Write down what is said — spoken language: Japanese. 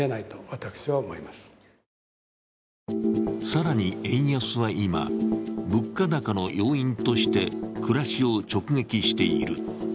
更に円安は今、物価高の要因として暮らしを直撃している。